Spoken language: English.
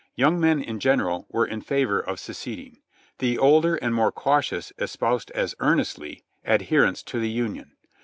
Young men in general were in favor of seceding. The older and more cautious espoused as earnestly adherence to the Union.